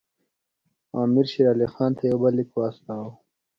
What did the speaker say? امیر شېر علي خان ته یو بل لیک واستاوه.